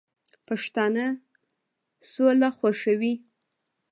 پښتانه سوله خوښوي